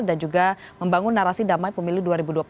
dan juga membangun narasi damai pemilih dua ribu dua puluh empat